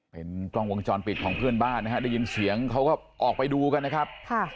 เป็นกล้องวงจรปิดของเพื่อนบ้านนะฮะได้ยินเสียงเขาก็ออกไปดูกันนะครับ